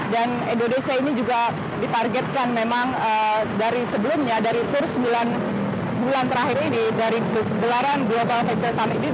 dan indonesia ini juga ditargetkan memang dari sebelumnya dari kursus sembilan bulan terakhir ini dari gelaran global venture summit ini